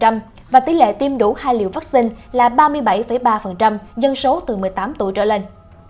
trên cả nước tỷ lệ tiêm ít nhất một liều vắc xin là tám mươi một hai và tỷ lệ tiêm đủ hai liều vắc xin là ba mươi bảy ba dân số từ một mươi tám tuổi trở lên